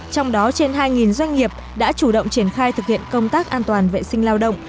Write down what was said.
trong đó trên hai doanh nghiệp đã chủ động triển khai thực hiện công tác an toàn vệ sinh lao động